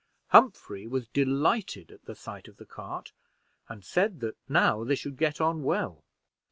Humphrey was delighted at the sight of the cart, and said that now they should get on well.